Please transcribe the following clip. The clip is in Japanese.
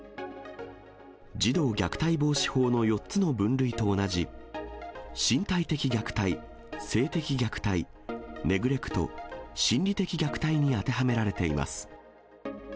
児童虐待防止法の４つの分類と同じ、身体的虐待、性的虐待、ネグレクト、心理的虐待に当てはめられています。